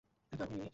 তো আপনি মিমি?